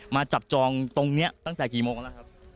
มาจับจองตรงนี้ตั้งแต่กี่โมงแล้วครับ